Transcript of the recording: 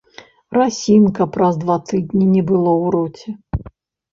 Расiнка праз два тыднi не было ў роце...